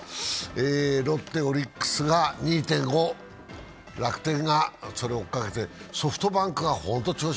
ロッテ、オリックスが２．５、楽天がそれを追いかけて、ソフトバンクが本当に調子